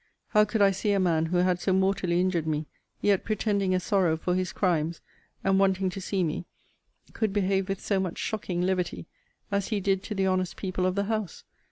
How could I see a man who had so mortally injured me; yet pretending a sorrow for his crimes, (and wanting to see me,) could behave with so much shocking levity, as he did to the honest people of the house?